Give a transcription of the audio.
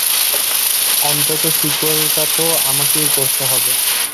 অন্তত সিক্যুয়েলটা তো আমাকেই করতে হবে।